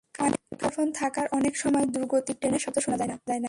কানে মুঠোফোন থাকায় অনেক সময় দ্রুতগতির ট্রেনের শব্দ শোনা যায় না।